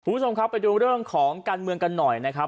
คุณผู้ชมครับไปดูเรื่องของการเมืองกันหน่อยนะครับ